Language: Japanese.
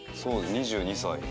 ２２歳。